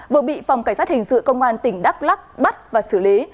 vừa bị phòng cảnh sát hình sự công an tỉnh đắk lắc bắt và xử lý